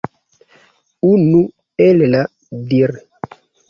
Unu el la dir.